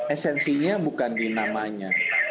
esensinya bukan di namanya